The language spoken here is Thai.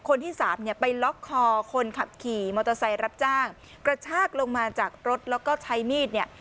คนที่สามเนี่ยไปล็อกคอคนขับขี่มอเตอร์ไซค์รับจ้างกระชากลงมาจากรถแล้วก็ใช้มีดเนี่ย